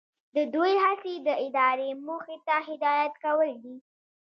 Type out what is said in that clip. د دوی هڅې د ادارې موخې ته هدایت کول دي.